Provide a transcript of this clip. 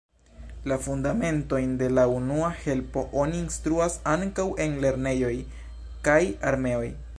La fundamentojn de la unua helpo oni instruas ankaŭ en lernejoj kaj armeoj.